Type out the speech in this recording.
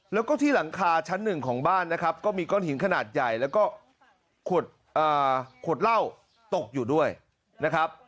แล้วก็ที่หลังคาชั้นหนึ่งของบ้านนะครับก็มีก้อนหินขนาดใหญ่แล้วก็ขวดเหล้าตกอยู่ด้วยนะครับ